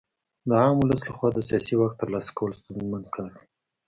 د عام ولس لخوا د سیاسي واک ترلاسه کول ستونزمن کار دی.